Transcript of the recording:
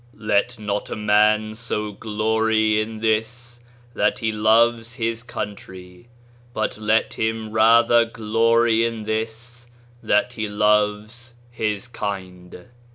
Let not a man so glory in this, that he loves his country : but let him rather glory in this, that he loves his kind